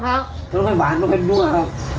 เพราะมันหวานแล้วมันนั่วครับ